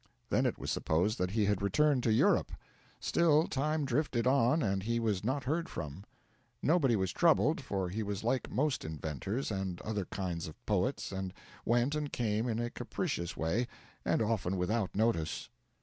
Then it was supposed that he had returned to Europe. Still, time drifted on, and he was not heard from. Nobody was troubled, for he was like most inventors and other kinds of poets, and went and came in a capricious way, and often without notice.